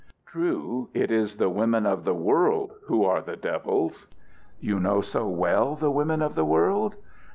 "True. It is the women of the world who are the devils." "You know so well the women of the world?"